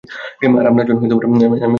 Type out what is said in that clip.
আর আপনার জন্য আমি উৎসর্গ হয়ে গেলাম।